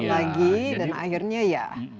dan akhirnya ya